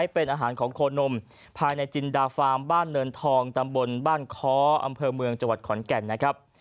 เป็นอาหารของโคนมภายในจินดาฟาร์มบ้านเนินทองตำบลบ้านค้ออำเภอเมืองจังหวัดขอนแก่นนะครับ